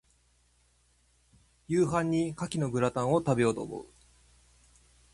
夕飯に牡蠣のグラタンを、食べようと思う。